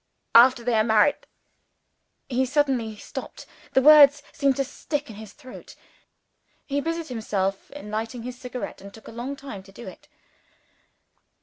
After they are married " He suddenly stopped; the words seemed to stick in his throat. He busied himself in relighting his cigar, and took a long time to do it.